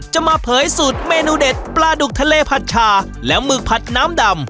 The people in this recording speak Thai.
มาเผยสูตรเมนูเด็ดปลาดุกทะเลผัดชาและหมึกผัดน้ำดำ